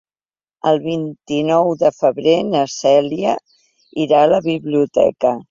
El vint-i-nou de febrer na Cèlia irà a la biblioteca.